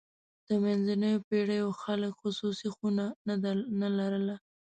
د منځنیو پېړیو خلک خصوصي خونه نه لرله.